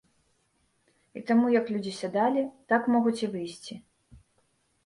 І таму як людзі сядалі, так могуць і выйсці.